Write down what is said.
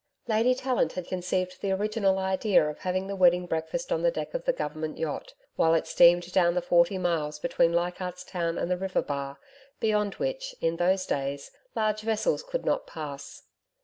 Lady Tallant had conceived the original idea of having the wedding breakfast on the deck of the Government yacht, while it steamed down the forty miles between Leichardt's Town and the river bar, beyond which, in those days, large vessels could not pass.